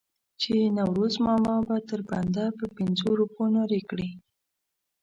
چې نوروز ماما به تر بنده په پنځو روپو نارې کړې.